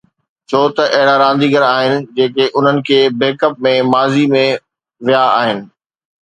ڇو ته اهڙا رانديگر آهن جيڪي انهن کي بيڪ اپ ۾ ماضي ۾ ويا آهن